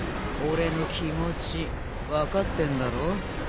俺の気持ち分かってんだろ？